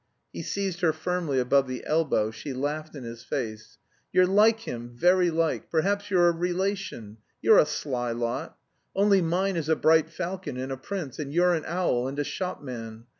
He seized her firmly above the elbow; she laughed in his face. "You're like him, very like, perhaps you're a relation you're a sly lot! Only mine is a bright falcon and a prince, and you're an owl, and a shopman!